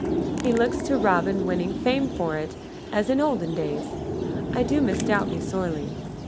He looks to Robin winning fame for it, as in olden days. I do misdoubt me sorely."